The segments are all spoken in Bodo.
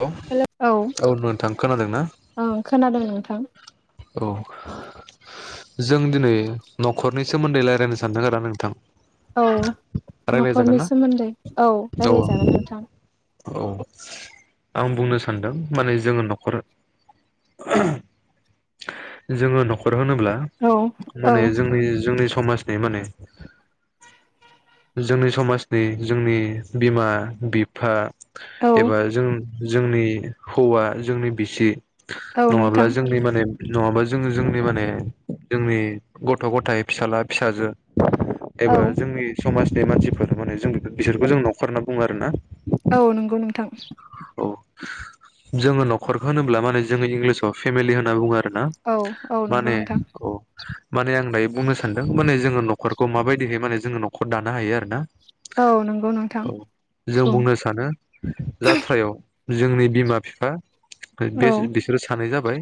औ हेल' औ नोंथां खोनादों ना ओं खोनादों नोंथां औ जों दिनै न'खरनि सोमोन्दै लायरायनो सानदों आरो नोंथां औ रायज्लायजागोन न'खरनि ना सोमोन्दै औ रायलायजागोन नोंथां औ आं बुंनो सानदों माने जोङो न'खर [unintelligible] जोङो न'खर होनोब्ला औ औ माने जोंनि जोंनि समाज है माने जोंनि समाजनि जोंनि बिमा - बिफा औ एबा जों जोंनि हौवा जोंनि बिसि औ नोंथां नङाब्ला जोंनि माने जोङो जोंनि माने जोंनि गथ' - गथाइ, फिसाला - फिसाजो [unintelligible] औ एबा जोंनि समाजनि मानसिफोर माने जों बिसोरखौ जों न'खर होनना बुङो आरो ना औ नंगौ नोंथां औ जोङो न'खरखो होनोब्ला माने जोङो इंलिसाव फेमिलि होनना बुङो औ औ [unintelligible] नंगौ माने नोंथां अ माने आं दायो बुंनो सानदों माने जोङो न'खरखौ माबायदिहाय माने जोङो न'खर दानो हायो आरो ना औ नंगौ नोंथां औ जों बुं बुंनो सानो जात्रायाव जोंनि बिमा - फिफा बे औ बिसोरो सानै जाबाय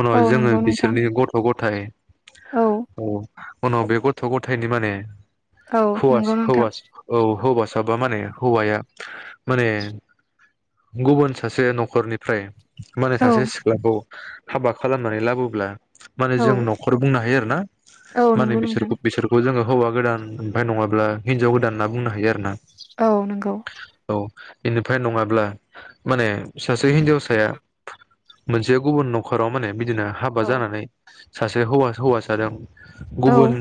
उनाव औ जोङो नंगौ नोंथां बिसोरनि गथ' - गथाइ औ उनाव बे गथ'- गथायनि माने औ नंगौ हौवास नोंथां हौवास औ हौवासा माने हौवाया माने गुबुन सासे न'खरनि फ्राय माने औ सासे सिख्लाखौ हाबा खालामनानै लाबोब्ला माने औ जों न'खर बुंनो हायो आरो ना औ माने नंगौ नोंथां बिसोरखौ बिसोरखौ जोङो। हौवा गोदान ओमफ्राय नङाब्ला हिन्जाव गोदान होनना बुंनो हायो आरो ना। औ नंगौ। औ बेनिफ्राय नङाब्ला माने सासे हिनजावसाया मोनसे गुबुन नखर। न'खराव माने बिदिनो हाबा औ जानानै सासे हौवा - हौवासाजों। औ गुबुन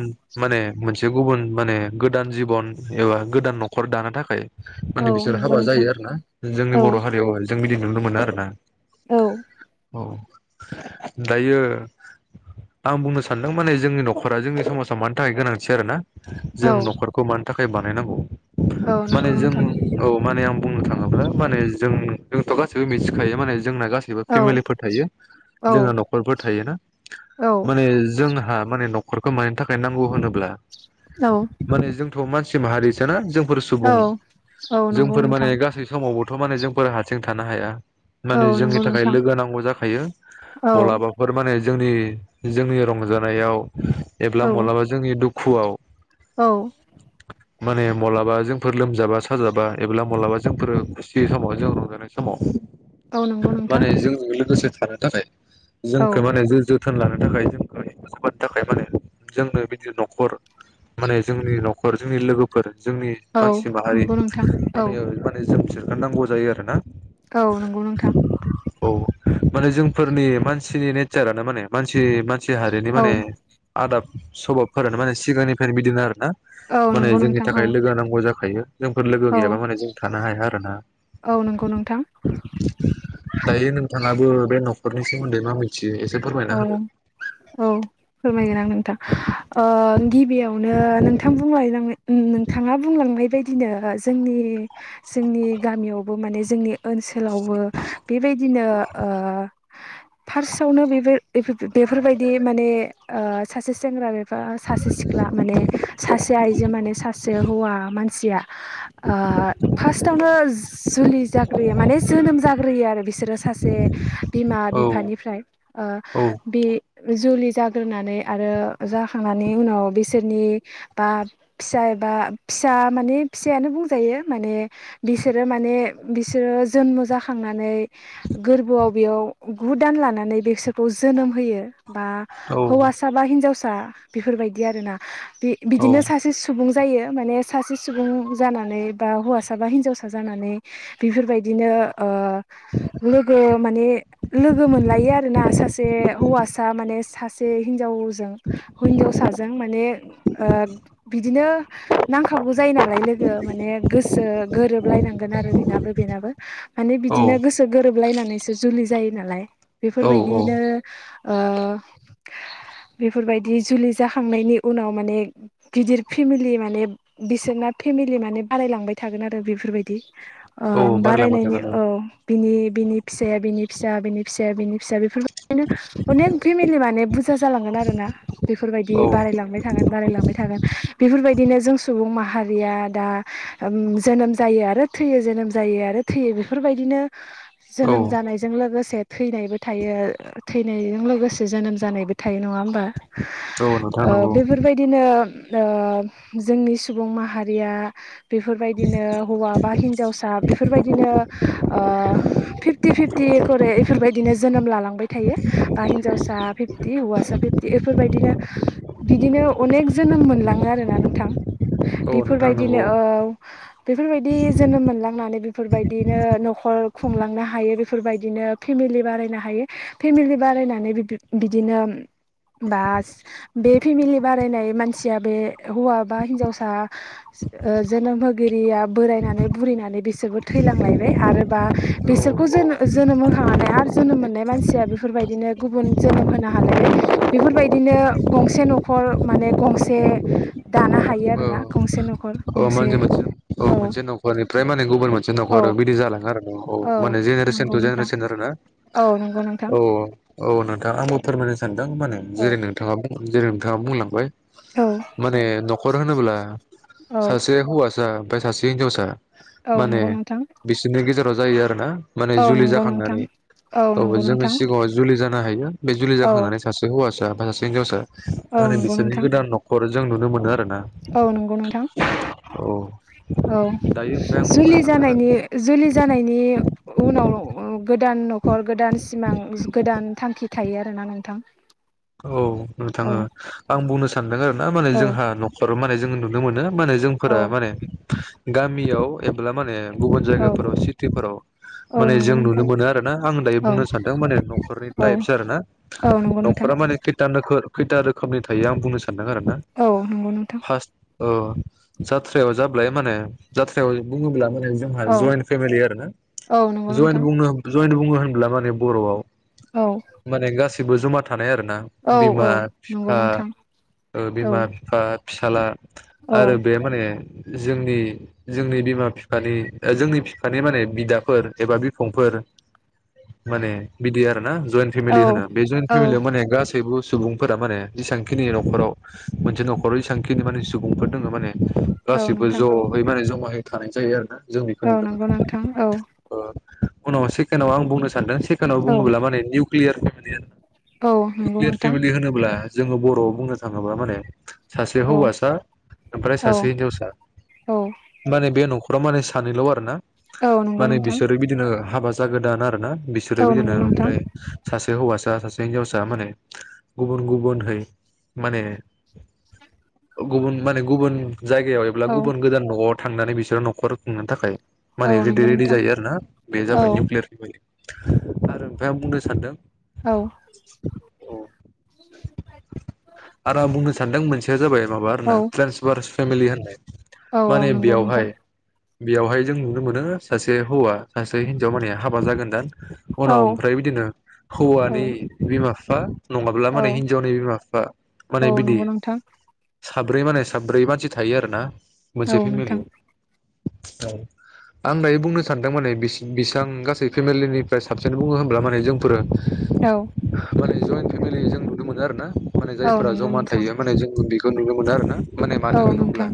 माने मोनसे। गुबुन माने गोदान जिबन एबा गोदान न'खर दानो थाखाय। औ माने बिसोरो नंगौ हाबा नोंथां जायो आरो ना जोंनि औ बर' हारियाव जों बिदि नुनो मोनो आरोना। औ। औ दायो [unintelligible] आं बुंनो सानदों माने जोंनि न'खरा जोंनि समाजाव मानि थाखाय गोनांथि आरो ना। औ जों न'खरखौ मानि थाखाय बानायनांगौ औ माने नंगौ जों नोंथां औ माने आं। बुंनो थाङोब्ला माने जों जोंथ' गासैबो मिथिखायो माने जोंना गासैबो औ फेमिलिफोर थायो। औ जोंहा न'खरफोर थायोना माने जोंहा। माने न'खरखौ मानि थाखाय नांगौ होनोब्ला औ मानेजोंथ' मानसि माहारि ना जों। सुबुं औ औ नंगौ जोंफोर नोंथां माने गासै समावबोथ' माने जोंफोर हारसिं थानो हाया। औ माने जोंनि नंगौ थाखाय नोंथां लोगो नांगौ जाखायो औ मलाबाफोर मान। जोंनि जोंनि रंजानायाव एबा औ मालाबा जोंनि दुखुआव। औ माने माब्लाबा जोंफोर लोमजाबा साजाबा एब्ला माब्लाबा जोंफोर खुसि समाव जों रंजानाय समाव। औ नंगौ नोंथां माने जों लोगोसे थानो थाखाय औ जोंखौ माने ज ज। जोथोन लानो थाखाय जोंखौबानि थाखाय माने जोंनो बिदिनो न'खर [unintelligible] माने जोंनि न'खर जोंनि लोगोफोर। जोंनि औ मानसि माहारि नंगौ नोंथां औ माने माने जोम सोंगोरनांगौ जायो आरोना। औ नंगौ नोंथां। औ माने जोंफोरनि मानसिनि नेचारानो माने मानसि मानसि हारिनि औ माने आदाब। सभाबफोरानो माने सिगांनिफ्रायनो बिदिनो आर ना औ माने नंगौ जोंनि नोंथां औ थाखाय लोगो नांगौ जा। जोंफोर लोगो औ गैयाबा माने जों थानो हाया आर ना औ नंगौ नोंथां दायो नोंथाङाबो बे न'खरनि सोमोन्दै मा मिथि। फोरमायना हो। औ औ फोरमायगोन आं नोंथां ओ गिबियावनो नोंथां बुंलाय नांनो। उ नोंथाङा बुंलांनाय बायदिनो जोंनि जोंनि गामियावबो माने जोंनि। ओनसोलावबो बेबायदिनो ओ फार्स्टआवनो बे। बेफोरबायदि माने सासे सेंग्रा [unintelligible] बा सासे सिख्ला माने सासे आइजो माने सासे हौवा मानसिया। ओ फार्स्टआवनो जुलि जाग्रोयो माने जोनोम जाग्रोयो आरो बि। बिसोरो सासे बिमा औ बिफानिफ्राय ओ औ बे। जुलि जाग्रोनानै आरो जाखांनानै उनाव बिसोरनि बा फिसा। [inaudible] जन्म जाखांनानै गोब्रोआव बेयाव गु दान लानानै। बिसोरखौ जोनोम होयो बा औ हौवासा बा हिनजावसा बेफोरबायदि आरो ना। बे बिदिनो सासे सुबुं। जायो माने सासे सुबुं जानानै बा हौवासा बा हिनजावसा जानानै बेफोरबायदिनो। ओ लोगो माने लोगो मोनलायो आरो ना। सासे हौवासा माने सासे हिनजावजों हिनजावसाजों माने। बिदिनो नांखागौ जायो नालाय लोगो माने गोसो गोरोबलायनांगोन आरो। बेनाबो बेनाबो माने बिदिनो गोसो गोरोबलायनानैसो जुलि जायो नालाय औ बेफोरबायदि। औ बिदिनो ओ। बेफोरबायदि जुलि जाखांनायनि उनाव माने गिदिर फेमिलि माने बिसोरना। फेमिलि माने बारायलांबाय थागोन आरो बेफोरबायदि। अ औ बारायलांबाय बारायनायनि थागोन औ बिनि बिनि फिसाया बिनि फिसा बिनि फिसाया बिनि फिसा। बेफोरबायदिनो अनेक फेमिलि माने बुरजा जालांगोन आरो ना बेफोरबायदि औ बारायलांबाय थागोन बाराय थाबाय थागोन बेफोरबायदिनो जों सुबुं माहारिया दा जोनोम जायो आरो जोनोम जायो आरो थैयो बेफोरबायदिनो औ जोनोम जानायजों लोगोसे थैनायबो थ' थायो थैनायजों लोगोसे जोनोम जानायबो थायो नङा होमबा? औ नोंथां नंगौ बेफोरबायदिनो। जोंनि सुबुं माहारिया बेफोरबायदिनो हौवा बा हिन्जावसा। बेफोरबायदिनो फिफ्टि फिफ्टि खरै बेफोरबायदिनो जोनोम लालांबाय थायो बा हिनजावसा फिफ्टि हौवासा फिफ्टि बेफोरबायदिनो बिदिनो अनेक जोनोम मोनलाङो आरोना नोंथां। औ नोंथां बेफोरबायदिनो नंगौ औ बेफोरबायदि जोनोम मोनलांनानै बेफोरबायदिनो न'ख खर खुंलांनो हायो बेफोरबायदिनो फेमिलि बाराय नो हायो फेमिलि बारायनानै बिबिब बिदिनो बास बे फेमिलि बारायनाय मानसिया बे हौवा बा हिनजावसा ओ जोनोमहोगिरिया बोरायनानै बुरैनानै बिसोरबो थैलांलायबाय आरोबा औ बेसोर खौ औ जोनो-जोनोम होखांनानै आरो जोनोम मोननाय मानसिया बेफोरबायदिनो गुबुन जोनोम होनो हालायबाय बेफोरबायदिनो गंसे न'ख खर माने गंसे दानो हायो आरोना गंसे न'खर। औ गंसे माने मोनसे औ मोनसे न'खरनिफ्राय माने गुबुन मोनसे न'खर औ बिदि जालाङो आरो। औ औ माने जेनेरेसन नंगौ टु नोंथां जेनेरेसन आरो ना? औ नंगौ नोंथां। औ औ नोंथां आंबो फोरमायनो सानदों माने औ जेरै नोंथाङा बुं जेरै नोंथाङा बुंलांबाय। औ माने न'खर होनोब्ला औ सासे हौवासा ओमफाय सासे हिनजावसा औ माने नंगौ नोंथां बिसोरनि गेजेराव जायो आरो ना माने औ जुलि नंगौ नोंथां जाखांनानै औ नंगौ जोङो नोंथां सिगाङाव जुलि जानो हायो बे जुलि औ जाखांनानै सासे हौवासा बा सासे हिनजावसा औ दाे नंगौ बिसोरनि नोंथां गोदान न'खर जों नुनो मोनो आरोना। औ नंगौ नोंथां। औ औ दायो ओमफ्राय आं बुंनो जुलि सानदों आरो जानायनि जुलि जानायनि उनाव ओ गोदान न'खर गोदान सिमां गोदान थांखि थायो आरोना नोंथां। औ नोंथां औ ओ आं बुंनो सानदों आरो ना माने औ जोंहा न'खराव माने जोङो नुनो मोनो माने जोंफोरा औ माने गामियाव एब्ला माने गुबुन औ जायगाफोराव सिटिफोराव औ माने नंगौ जों नुनो नोंथां मोनो आरो ना आं दायो औ बुंनो सानदों माने न'खरनि औ टाइपस आरो ना औ नंगौ नख नोंथां न'खरा माने खैथा नोखोर खैथा रोखोमनि थायो आं बुंनो स औ नंगौ नोंथां। ओ जाथ्रायाव जाब्लाय माने जाथ्रायाव बुङोब्लानो जोंहा औ जयेन फेमिलि आरो ना औ नंगौ जयेन नोंथां बुंनो जयेन बुङो होनब्ला माने बर'आव औ माने गासिबो जमा था थानाय आरोना औ औ बिमा नंगौ फिफा नोंथां औ बिमा फिफा फिसाला औ आरो बे माने जोंनि जोंनि बिमा फिफानि जोंनि फिफानि माने बिदाफोर एबा बिफंफोर [inaudible] माने बिदि आरो ना जयन्ट औ फेमिलि होनो बे जयन्ट औ फेमिलियाव माने गासैबो सुबुंफोरा माने जिसांखिनि न'खराव मोनसे न'खराव जिसांखिनि माने सुबुंफोर दं माने औ गासिबो नोंथां ज'है माने जमायै थानाय जायो आरोना। जों बेखौ औ नुनो नंगौ नोंथां औ मोनो ओ उनाव सेकेण्डआव आं बुंनो सानदों सेकेण्डआव औ बुङोब्ला माने निउक्लियार [inaudible] औ [inaudible] नंगौ निउक्लियार नोंथां फेमिलि होनोब्ला जोङो बर'आव बुंनो थाङोबा माने सासे औ हौवासा ओमफ्राय औ सासे हिनजावसा औ माने बे न'ख खराव माने सानैल' आरो ना औ नंगौ माने नोंथां बिसोरो बिदिनो हाबा जागोदान आरोना। बिसोरो औ बिदिनो नंगौ नोंथां ओमफ्राय सासे हौवासा सासे हिनजावसा माने गुबुन गुबुनहै माने गुबुन माने गुबुन जायगायाव एब्ला औ गुबुन गोदान न'आव थांनानै बिसोरो न'खर खुंनो थाखाय औ माने रिडि नंगौ रेडि नोंथां जायो आरोना बे औ जाबाय निउकलियार फेमिलि। आरो ओमफाय आं बुंनो सानदों औ आरो आं बुंनो सानदों मोनसेया जाबाय माबा औ आरोना ट्रेन्सभार्स फेमिलि होननाय। औ औ माने नंगौ बेयावहाय नोंथां। बेयावहाय जों नुनो मोनो सासे हौवा सासे हिन्जाव माने हाबा जागोन दान औ उनाव ओमफ्राय बिदिनो औ हौवानि बिमा फिफा नङाब्ला औ माने हिनजावनि बिमा- बिफा माने औ बिदि नंगौ नोंथां सा साब्रै माने साब्रै मानसि थायो आरोना मोनसे फेमिलि औ आं दायो बुंनो सानदों माने बिस बिसां गासै फेमिलिनिफ्राय साबसिन बुङो होनब्ला माने जोंफोरो औ। इन फेमिलि जों नुनो मोनो आरोना माने औ जायफोरा नंगौ ज'मा नोंथां थायो माने जों बे [unintelligible] खौ नुनो मोनो आरो ना माने मानो औ होनोब्ला नोंथां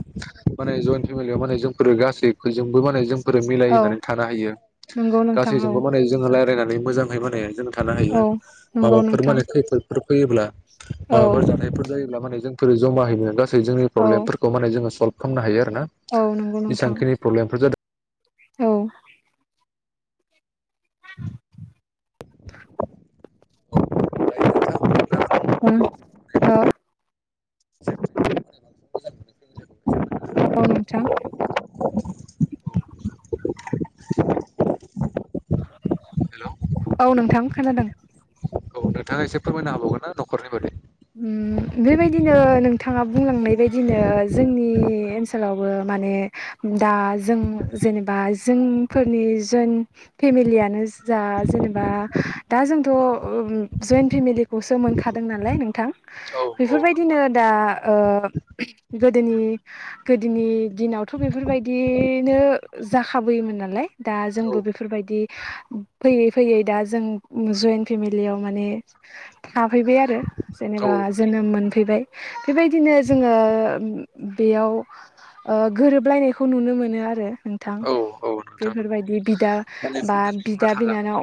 माने ज'इन फेमिलियाव माने जोंफोर गासै फै जोंबो माने जोंफोरो औ मिलायनानै थानो हायो नंगौ नोंथां औ गासैजोंबो माने जों रायलायना नै मोजांहै माने जों थानो हायो। औ नंगौ माबाफोर नोंथां माने खैफोदफोर फैयोब्ला औ माबाफोर जाथायफोर जायो ब्ला माने जोंफोर ज'मा हैनो गासै जोंनि औ प्रब्लेम फोरखौ माने जोङो सल्भ खामनो हायो। [unintelligible] औ नंगौ नोंथां बेसेबांखिनि प्रब्लेमफोर जादो औ [unintelligible] [unintelligible] हो [unintelligible] औ नोंथां। हेल' औ नोंथां खोनादों। औ नोंथाङा एसे फोरमायना हाबावगोनना न'खरनि बादै होम बेबायदिनो नोंथाङा बुंलांनाय बायदिनो जोंनि ओनसोलावबो माने दा जों जेनेबा जोंफोरनि ज'इन फेमिलियानो जा जेनेबा दा जोंथ' [unintelligible] ज'इन फेमिलिखौसो मोनखादों नालाय नों थां औ औ नंगौ बेफोरबायदिनो दा ओ गोदोनि गोदोनि दिनावथ' बेफोरबायदिनो जाखाबोयोमोन नालाय दा जोंबो बेफोरबायदि फैयै- फैयै दा जों ज'इन फेमिलियाव माने थाफैबाय आरो औ जेनेबा जोनोम मोनफैबाय बेबायदिनो जोङो [unintelligible] बेयाव ओ गोरोबलायनायखौ नुनो मोनो आरो नोंथां। औ औ नोंथां नंगौ बेफोरबायदि बिदा बा बिदा बिनानाव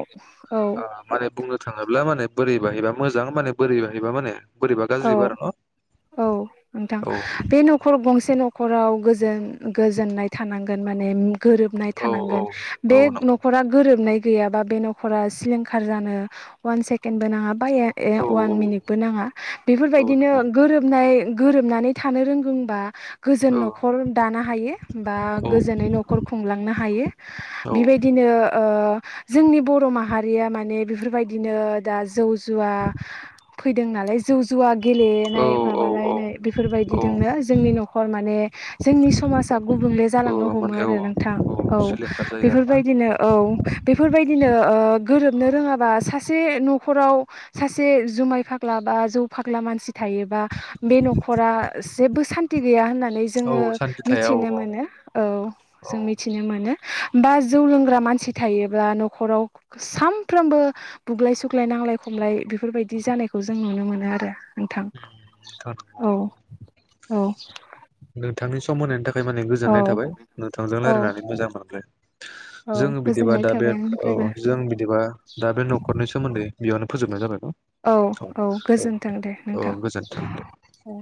औ ओ माने बुंनो थाङोब्ला माने बोरै बोरैबायहाबा मोजां माने बोरै [unintelligible] माने बोरैबा औ गाज्रिबा आरो न' औ नोंथां औ बे न'खर गंसे न'ख खराव गोजोन गोजोननाय थानांगोन माने म [unintelligible] गोरोबनाय औ औ थानांगोन औ बे नंगौ न'खरा गोरोबनाय गैयाबा बे न'खरा सिलिंखार जानो अवान सेकेणडबो नाङा। बा ए ए औ अवान मिनित बो नाङा औ बेफोरबायदिनो नंगौ गोरोबनो [unintelligible] गोरोबनानै थानो रोंगौबा गोजोन औ न'खर दानो हायो बा औ गोजोनै न'खर खुंलांनो हायो बेबायद दिनो ओ जोंनि बर' माहारिया माने बेफोरबायदिनो दा जौ- जुवा फैदों नालाय जौ- जुवा [unintelligible] गेलेनाय औ औ माबालायनाय औ बेफोरबायदिदोंनो जोंनि न'खर माने जोंनि समाजा गुब [unintelligible] बुंले औ जालांनो हमो माने औ आरो नोंथां औ सिलिंखार जायो आरोना बेफोरबायदिनो औ बेफोरबायदिनो ओ गोरोबनो रोङाबा सासे न'खराव सासे जुमाय फाग्ला बा ज जौ फाग्ला मानसि थायोबा बे न'खरा जेबो सान्थि गैया होनना [unintelligible] नै औ जोङो सान्थि थाया औ मिथिनो मोनो औ औ जों मिथिनो मोनो। बा जौ लोंग्रा मानसि थायोब्ला न'खराव सामफ्रोमबो बुग्लाय सुग्लाय ना नांलाय खमलाय बेफोरबायदि जानायखौ जों नुनो मोन नो आरो नोंथां नोंथां औ नंगौ। औ नोंथांनि [unintelligible] माने औ गोजोननाय थाबाय नोंथांजों औ रायलायनानै मोजां मोनबाय औ जों बिदिबा गोजोननाय दा बे थाबाय ओ अ आंनिफ्रायबो जों बिदिबा दा बे न'खरनि सोमोन्दै बेयावनो फोजोबनाय जाबाय। औ औ गोजोनथों दे अ नोंथां गोजोन्थों दे। औ